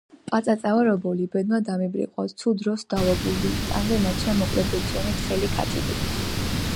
პაწაწავარ ობოლი ბედმა დამიბრიყვა ცუდ დროს დავობლდი ტანზე მაცვია მოკლებეწვიანი თხელი ქათიბი